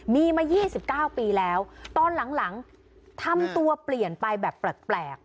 มีมา๒๙ปีแล้วตอนหลังทำตัวเปลี่ยนไปแบบแปลก